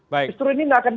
begitu istru ini tidak akan